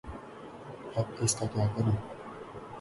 اب اس کا کیا کروں؟